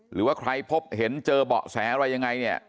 หรือว่าใครพบเห็นเจอเบาะแสอะไรยังไงเนี่ย